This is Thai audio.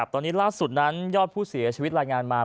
ตอนนี้ล่าสุดนั้นยอดผู้เสียชีวิตรายงานมา